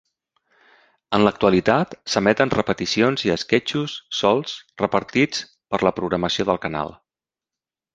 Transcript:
En l'actualitat s'emeten repeticions i esquetxos solts repartits per la programació del canal.